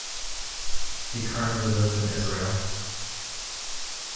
He currently lives in Israel.